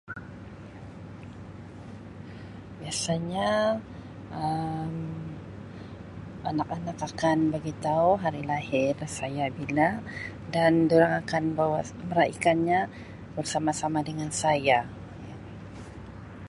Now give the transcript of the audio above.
Biasanya Um anak-anak akan bagitau hari lahir saya bila dan durang akan bawa meraikannya bersama-sama dengan saya.